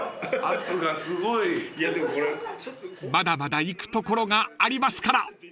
［まだまだ行くところがありますから］